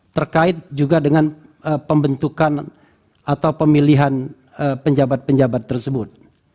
terkait juga dengan pembentukan atau pemilihan penjabat penjabat tersebut